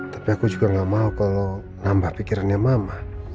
tapi aku juga gak mau kalau nambah pikirannya mama